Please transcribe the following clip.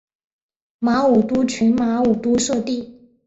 马武督群马武督社地。